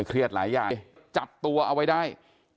เครียดหลายอย่างจับตัวเอาไว้ได้